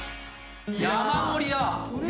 山盛りだ！